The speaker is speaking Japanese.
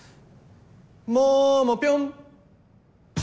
ももピョン！